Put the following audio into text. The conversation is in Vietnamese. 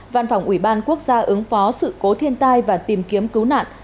văn phòng ủy ban quốc gia ứng phó sự khố tiên tai và tìm kiếm cứu nạn